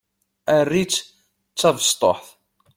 Err-itt d tabesṭuḥt.